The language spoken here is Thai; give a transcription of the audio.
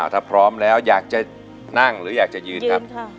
ถ้าพร้อมแล้วอยากจะนั่งหรืออยากจะยืนครับ